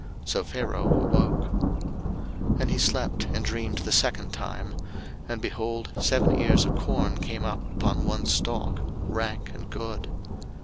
So Pharaoh awoke. 01:041:005 And he slept and dreamed the second time: and, behold, seven ears of corn came up upon one stalk, rank and good.